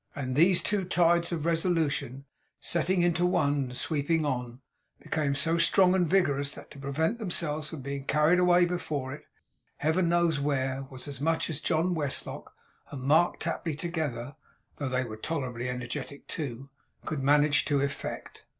And these two tides of resolution setting into one and sweeping on, became so strong and vigorous, that, to prevent themselves from being carried away before it, Heaven knows where, was as much as John Westlock and Mark Tapley together (though they were tolerably energetic too) could manage to effect.